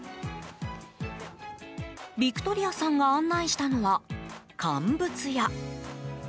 ヴィクトリアさんが案内したのは乾物屋。